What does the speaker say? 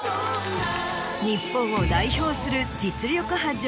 日本を代表する実力派。